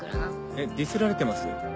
えっディスられてます？